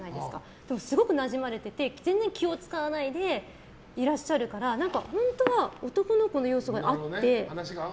でもすごくなじまれていて全然気を使わないでいらっしゃるから本当は男の子の要素があって。